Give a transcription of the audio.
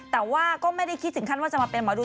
แต่ว่าก็ไม่ได้คิดถึงขั้นว่าจะมาเป็นหมอดู